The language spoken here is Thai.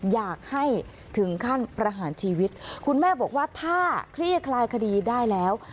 อยากให้ถึงขั้นประหารชีวิตคุณแม่บอกว่าถ้าคลี่คลายคดีได้แล้ว